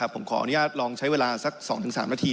ผมขออนุญาตลองใช้เวลาสัก๒๓นาที